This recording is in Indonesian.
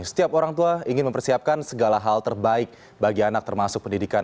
setiap orang tua ingin mempersiapkan segala hal terbaik bagi anak termasuk pendidikan